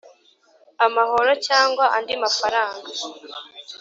amahoro cyangwa andi mafaranga